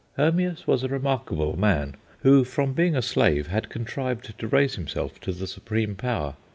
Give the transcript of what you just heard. Hermias was a remarkable man, who, from being a slave, had contrived to raise himself to the supreme power.